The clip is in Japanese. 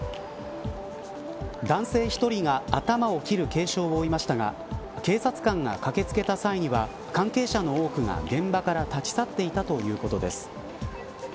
男性１人が頭を切る軽傷を負いましたが警察官が駆け付けた際には関係者の多くが現場から立ち去っていたということです。